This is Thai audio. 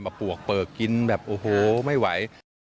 แบบปลวกเปิกกินแบบโอ้โฮไม่ไหว